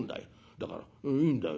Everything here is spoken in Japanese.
だからいいんだよ。